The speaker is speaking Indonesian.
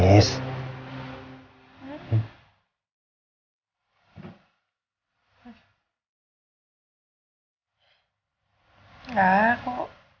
aku terharu aja